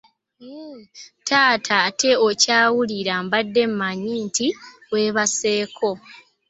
Taata ate okyawulira, mbadde mmanyi nti weebaseeko.